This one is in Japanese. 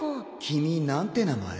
君何て名前？